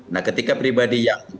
nah ketika pribadi yang